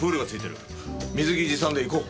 水着持参で行こう。